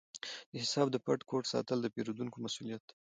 د حساب د پټ کوډ ساتل د پیرودونکي مسؤلیت دی۔